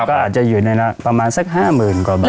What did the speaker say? ก็อาจจะอยู่ในประมาณสักห้าหมื่นกว่าบาท